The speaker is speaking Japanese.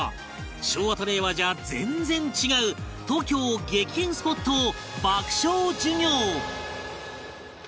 昭和と令和じゃ全然違う東京激変スポットを爆笑授業